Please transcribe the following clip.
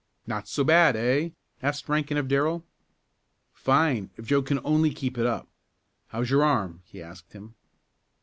"Not so bad; eh?" asked Rankin of Darrell. "Fine, if Joe can only keep it up. How's your arm?" he asked him.